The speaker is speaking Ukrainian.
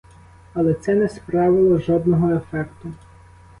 Але це не справило жодного ефекту.